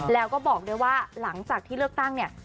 แล้วก็บอกด้วยว่าหลังจากที่เลือกตั้งเนี่ย